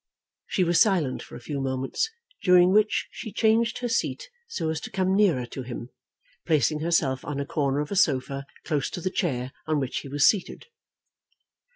She was silent for a few moments, during which she changed her seat so as to come nearer to him, placing herself on a corner of a sofa close to the chair on which he was seated.